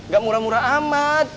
ga murah murah amat